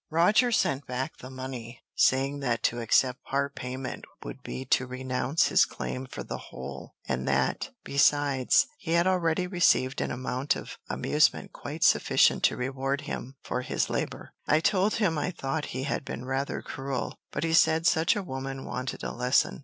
Roger sent back the money, saying that to accept part payment would be to renounce his claim for the whole; and that, besides, he had already received an amount of amusement quite sufficient to reward him for his labor. I told him I thought he had been rather cruel; but he said such a woman wanted a lesson.